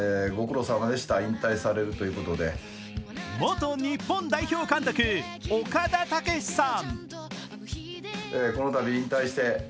元日本代表監督・岡田武史さん。